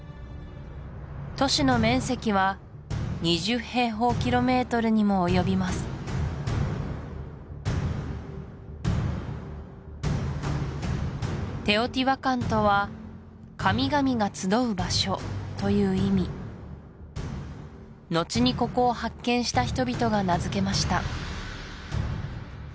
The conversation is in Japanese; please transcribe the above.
都市の面積は２０平方キロメートルにも及びますテオティワカンとは神々が集う場所という意味のちにここを発見した人々が名付けました